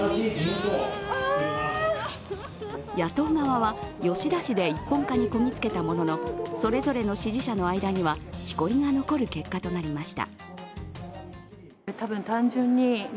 野党側は吉田氏で一本化にこぎ着けたもののそれぞれの支持者の間には、しこりが残る結果となりました。